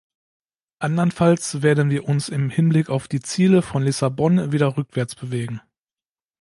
Andernfalls werden wir uns im Hinblick auf die Ziele von Lissabon wieder rückwärts bewegen.